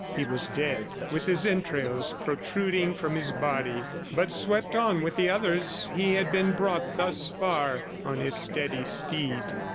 He was dead, with his entrails protruding from his body, but swept on with the others, he had been brought thus far on his steady steed.